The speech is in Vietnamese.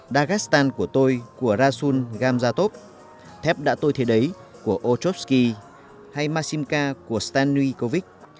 dagestan của tôi của rasul gamzatov thép đã tôi thế đấy của ochobsky hay masimka của stanislav kovic